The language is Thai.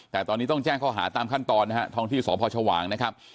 แต่ตอนนี้ต้องแจ้งข้อหาตามขั้นตอนนะฮะท้องที่สพชวางนะครับ